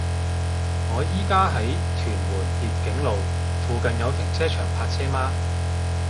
我依家喺屯門蝶景路，附近有停車場泊車嗎